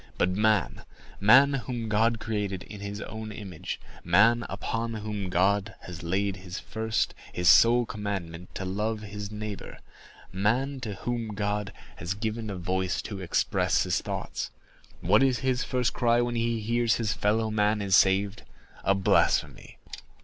But man—man, whom God created in his own image—man, upon whom God has laid his first, his sole commandment, to love his neighbor—man, to whom God has given a voice to express his thoughts—what is his first cry when he hears his fellow man is saved? A blasphemy.